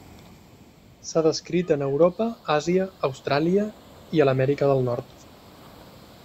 S'ha descrit en Europa, Àsia, Austràlia i a l'Amèrica del Nord.